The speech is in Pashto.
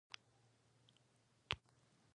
د اندازه کولو وروسته ورنیز کالیپر پاک او خوندي وساتئ.